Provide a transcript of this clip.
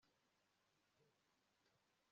Kandi uhereye kumyenda yintambara ishaje